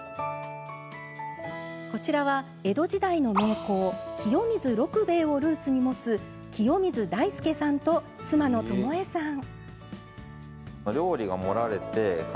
こちらは江戸時代の名工清水六兵衛をルーツに持つ清水大介さんと妻の友恵さん。